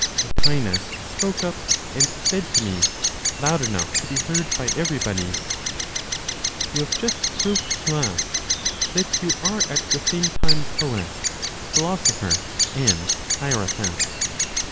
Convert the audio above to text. Plotinos spoke up, and said to me, loud enough to be heard by everybody, "You have just proved to us that you are at the same time poet, philosopher, and hierophant."